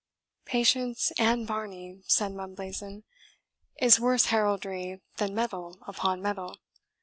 "Patience and Varney," said Mumblazen, "is worse heraldry than metal upon metal.